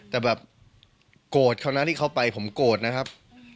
แต่แบบโกรธเขานะที่เขาไปผมโกรธนะครับ